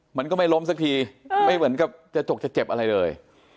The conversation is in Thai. มันก็ไม่ล้มสักทีไม่เหมือนกับจะจกจะเจ็บอะไรเลย